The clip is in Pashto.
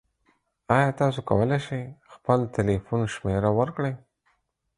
ایا تاسو کولی شئ خپل تلیفون شمیره ورکړئ؟